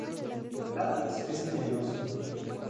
El látex es venenoso.